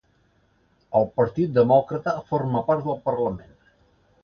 El Partit Demòcrata forma part del parlament